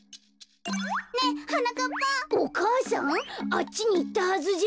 あっちにいったはずじゃ。